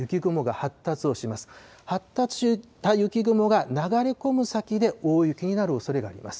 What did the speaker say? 発達した雪雲が流れ込む先で、大雪になるおそれがあります。